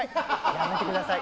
やめてください。